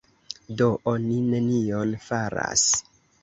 Do oni nenion faras.